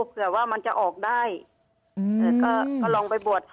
เผื่อว่ามันจะออกได้ก็ลองไปบวช